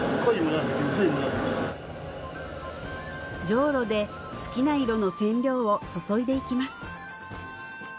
じょうろで好きな色の染料を注いでいきます